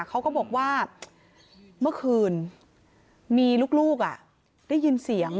เขาก็บอกว่าเมื่อคืนมีลูกได้ยินเสียง